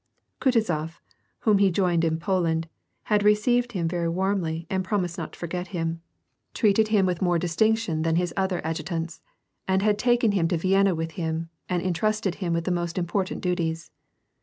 Kutuzof, whom he joined in Poland, had received him venr warmly and promised not to forget him ; treated him wili * In German in the original. WAR AND PEACE, 146 more distinction than his other adjutants, and had taken him to VieDna with him and intrusted him with the most important duties.